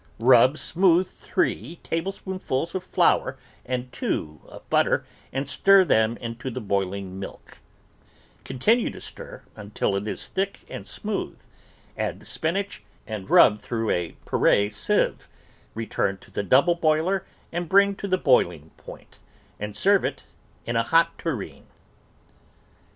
Rub smooth three table [ 204 J GREENS AND SALAD VEGETABLES spoonfuls of flour and two of butter and stir them into the boihng milk; continue to stir until it is thick and smooth, add the spinach and rub through a puree sieve, return to the double boiler and bring to the boihng point, and serve in a hot tureen.